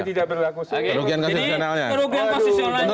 tidak berlaku jadi kerugian koosisionalnya